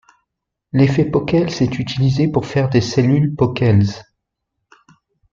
L'effet Pockels est utilisé pour faire des cellules Pockels.